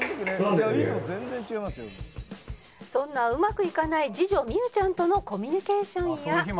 「そんなうまくいかない次女美羽ちゃんとのコミュニケーションや」